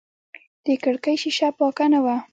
د کړکۍ شیشه پاکه نه وه.